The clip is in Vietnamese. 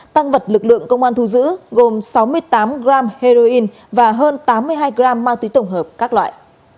tăng vật lực lượng công an thu giữ gồm sáu mươi tám g heroin và hơn tám mươi hai gram ma túy tổng hợp các loại